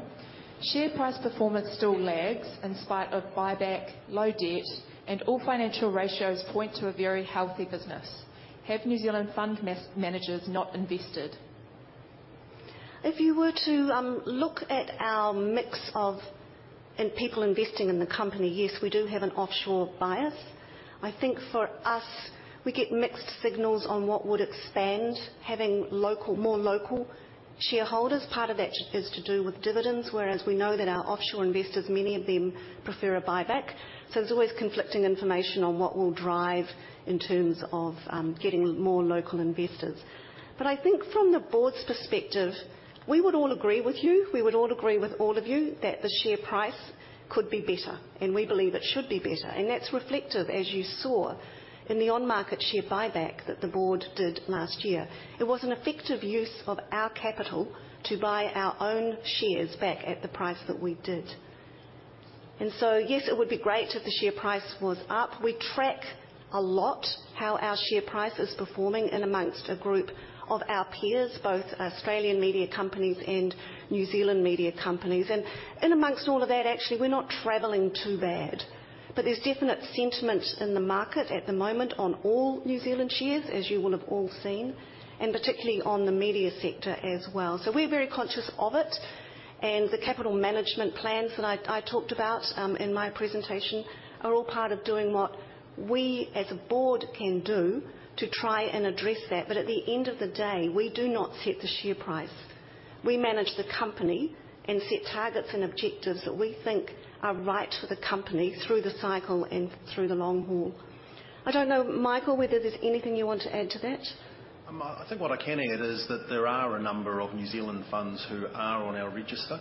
Share price performance still lags in spite of buyback, low debt, and all financial ratios point to a very healthy business. Have New Zealand fund managers not invested? If you were to look at our mix of people investing in the company, yes, we do have an offshore bias. I think for us, we get mixed signals on what would expand having local, more local shareholders. Part of that is to do with dividends, whereas we know that our offshore investors, many of them prefer a buyback. There's always conflicting information on what will drive in terms of getting more local investors. I think from the board's perspective, we would all agree with you. We would all agree with all of you that the share price could be better, and we believe it should be better. That's reflective, as you saw in the on-market share buyback that the board did last year. It was an effective use of our capital to buy our own shares back at the price that we did. Yes, it would be great if the share price was up. We track a lot how our share price is performing in amongst a group of our peers, both Australian media companies and New Zealand media companies. In amongst all of that, actually, we're not traveling too bad. There's definite sentiment in the market at the moment on all New Zealand shares, as you will have all seen, and particularly on the media sector as well. We're very conscious of it. The capital management plans that I talked about in my presentation are all part of doing what we as a board can do to try and address that. At the end of the day, we do not set the share price. We manage the company and set targets and objectives that we think are right for the company through the cycle and through the long haul. I don't know, Michael, whether there's anything you want to add to that. I think what I can add is that there are a number of New Zealand funds who are on our register.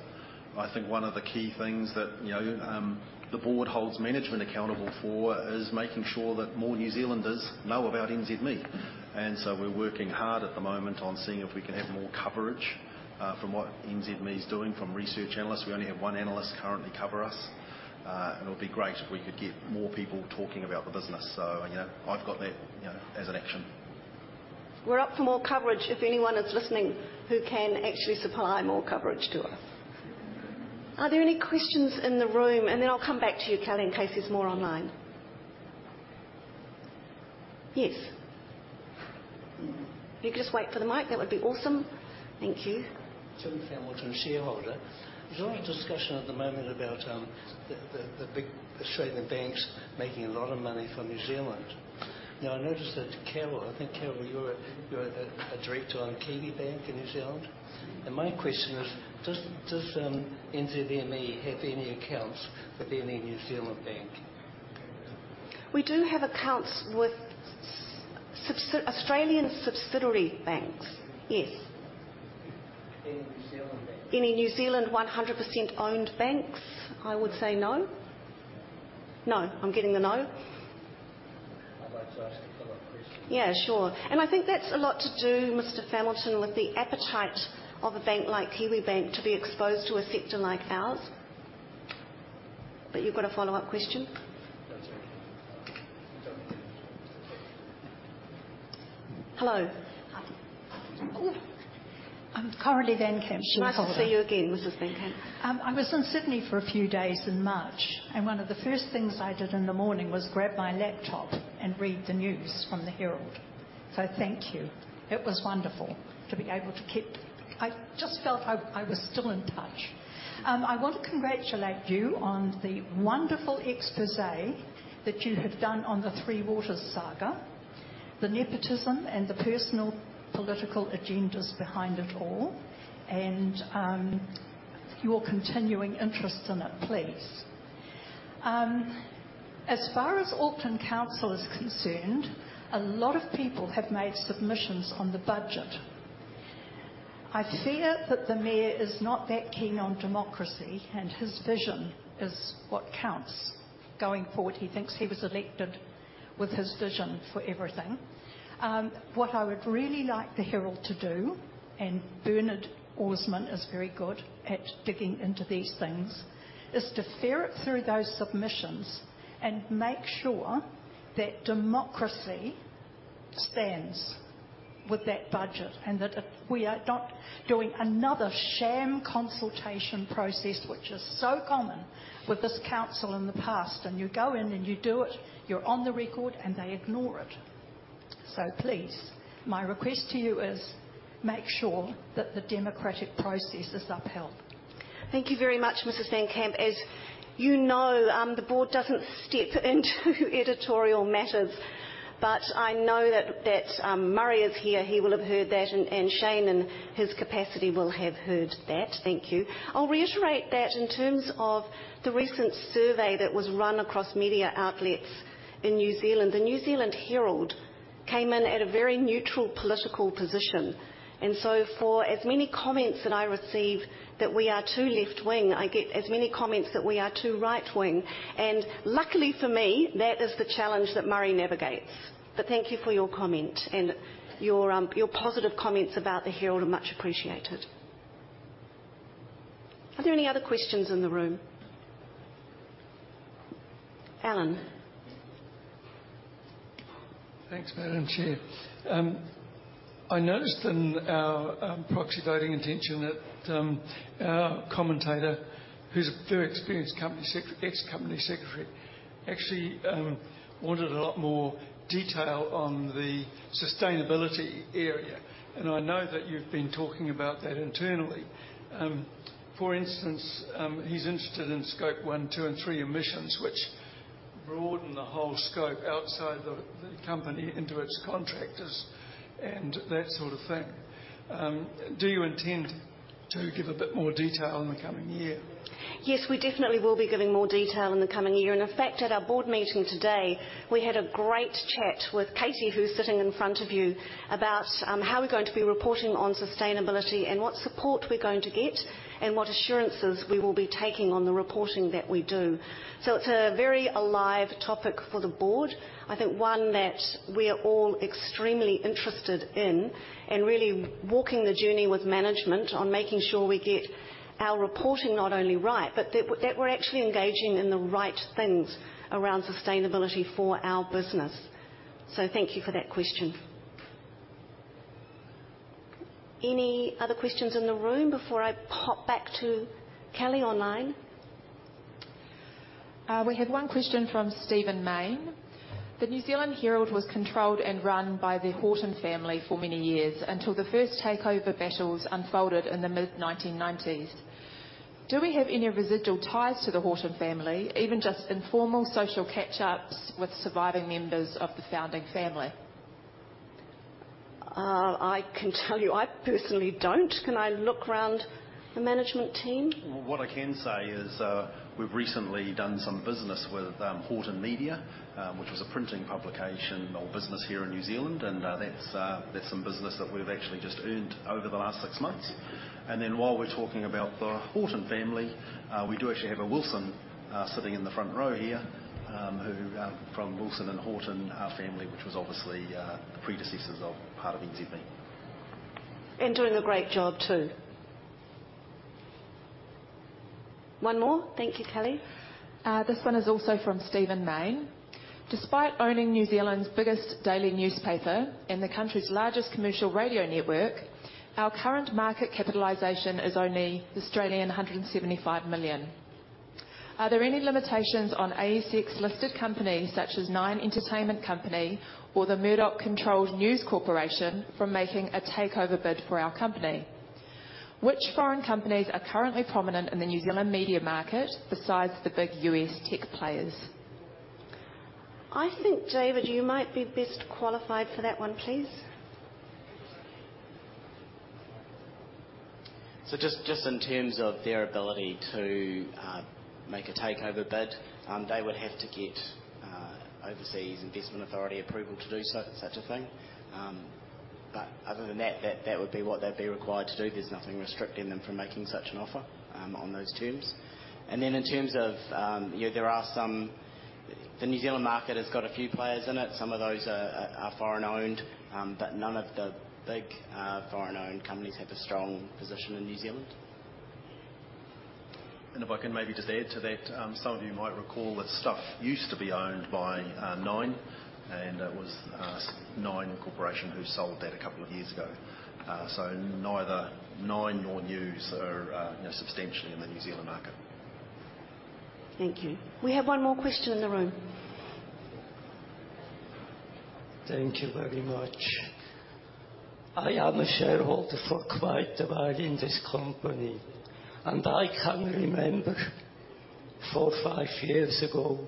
I think one of the key things that the board holds management accountable for is making sure that more New Zealanders know about NZME. We're working hard at the moment on seeing if we can have more coverage from what NZME's doing from research analysts. We only have one analyst currently cover us. And it'll be great if we could get more people talking about the business. I've got that as an action. We're up for more coverage if anyone is listening who can actually supply more coverage to us. Are there any questions in the room? Then I'll come back to you, Kelly, in case there's more online. Yes. If you could just wait for the mic, that would be awesome. Thank you. Jim Hamilton, shareholder. There's a lot of discussion at the moment about the, the big Australian banks making a lot of money from New Zealand. Now, I noticed that Carol, I think, Carol, you're a director on Kiwibank in New Zealand. My question is, does NZME have any accounts with any New Zealand bank? We do have accounts with Australian subsidiary banks, yes. Any New Zealand banks? Any New Zealand 100% owned banks? I would say no. No, I'm getting a no. I'd like to ask a follow-up question. Yeah, sure. I think that's a lot to do, Mr. Hamilton, with the appetite of a bank like Kiwibank to be exposed to a sector like ours. You've got a follow-up question? I'm Coralie van Camp. Shareholder. Nice to see you again, Mrs. van Camp. I was in Sydney for a few days in March, and one of the first things I did in the morning was grab my laptop and read the news from the Herald. Thank you. It was wonderful to be able to keep. I just felt I was still in touch. I want to congratulate you on the wonderful exposé that you have done on the Three Waters saga, the nepotism and the personal political agendas behind it all, and your continuing interest in it, please. As far as Auckland Council is concerned, a lot of people have made submissions on the budget. I fear that the mayor is not that keen on democracy. His vision is what counts going forward. He thinks he was elected with his vision for everything. What I would really like the Herald to do, Bernard Orsman is very good at digging into these things, is to ferret through those submissions and make sure that democracy stands with that budget and that we are not doing another sham consultation process, which is so common with this council in the past. You go in and you do it, you're on the record, and they ignore it. Please, my request to you is make sure that the democratic process is upheld. Thank you very much, Mrs. van Kamp. As you know, the board doesn't step into editorial matters. I know that Murray is here. He will have heard that, and Shane, in his capacity, will have heard that. Thank you. I'll reiterate that in terms of the recent survey that was run across media outlets in New Zealand, the New Zealand Herald came in at a very neutral political position. For as many comments that I receive that we are too left-wing, I get as many comments that we are too right-wing. Luckily for me, that is the challenge that Murray navigates. Thank you for your comment, and your positive comments about the Herald are much appreciated. Are there any other questions in the room? Alan. Thanks, Madam Chair. I noticed in our proxy voting intention that our commentator, who's a very experienced Company Secretary, ex-Company Secretary, actually, wanted a lot more detail on the sustainability area. I know that you've been talking about that internally. For instance, he's interested in Scope 1, 2, and 3 emissions, which broaden the whole scope outside the company into its contractors and that sort of thing. Do you intend to give a bit more detail in the coming year? Yes, we definitely will be giving more detail in the coming year. In fact, at our board meeting today, we had a great chat with Katie, who's sitting in front of you, about how we're going to be reporting on sustainability and what support we're going to get, and what assurances we will be taking on the reporting that we do. It's a very alive topic for the board. I think one that we are all extremely interested in, and really walking the journey with management on making sure we get our reporting not only right, but that we're actually engaging in the right things around sustainability for our business. Thank you for that question. Any other questions in the room before I pop back to Kelly online? We have one question from Stephen Mayne. The New Zealand Herald was controlled and run by the Horton family for many years until the first takeover battles unfolded in the mid-1990s. Do we have any residual ties to the Horton family, even just informal social catch-ups with surviving members of the founding family? I can tell you I personally don't. Can I look around the Management Team? Well, what I can say is, we've recently done some business with Horton Media, which was a printing publication or business here in New Zealand. That's some business that we've actually just earned over the last 6 months. While we're talking about the Horton family, we do actually have a Wilson sitting in the front row here, who from Wilson & Horton family, which was obviously the predecessors of part of NZME. Doing a great job too. One more. Thank you, Kelly. This one is also from Stephen Mayne. Despite owning New Zealand's biggest daily newspaper and the country's largest commercial radio network, our current market capitalization is only 175 million. Are there any limitations on ASX-listed companies such as Nine Entertainment Company or the Murdoch-controlled News Corporation from making a takeover bid for our company? Which foreign companies are currently prominent in the New Zealand media market besides the big U.S. tech players? I think, David, you might be best qualified for that one, please. Just in terms of their ability to make a takeover bid, they would have to get Overseas Investment Office approval to do so for such a thing. Other than that would be what they'd be required to do. There's nothing restricting them from making such an offer on those terms. In terms of, the New Zealand market has got a few players in it. Some of those are foreign-owned, but none of the big foreign-owned companies have a strong position in New Zealand. If I can maybe just add to that, some of you might recall that Stuff used to be owned by Nine, and it was Nine Entertainment who sold that a couple of years ago. Neither Nine nor News are substantially in the New Zealand market. Thank you. We have one more question in the room. Thank you very much. I am a shareholder for quite a while in this company. I can remember four, five years ago,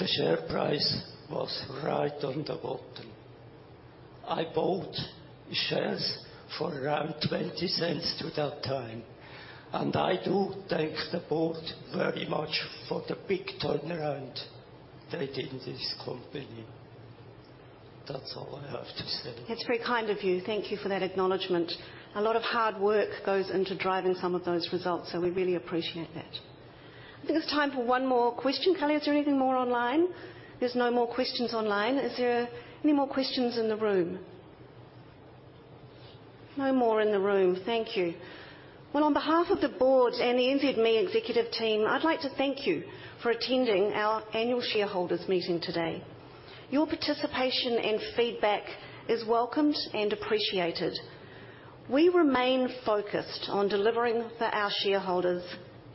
the share price was right on the bottom. I bought shares for around 0.20 to that time. I do thank the board very much for the big turnaround they did in this company. That's all I have to say. That's very kind of you. Thank you for that acknowledgement. A lot of hard work goes into driving some of those results. We really appreciate that. I think it's time for one more question. Kelly, is there anything more online? There's no more questions online. Is there any more questions in the room? No more in the room. Thank you. Well, on behalf of the board and the NZME Executive Team, I'd like to thank you for attending our Annual Shareholders' Meeting today. Your participation and feedback is welcomed and appreciated. We remain focused on delivering for our shareholders,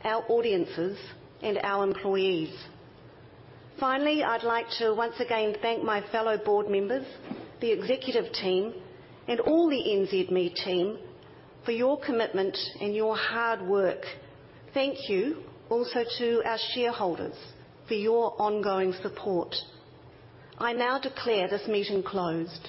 our audiences, and our employees. Finally, I'd like to once again thank my fellow board members, the Executive Team, and all the NZME team for your commitment and your hard work. Thank you also to our shareholders for your ongoing support. I now declare this meeting closed.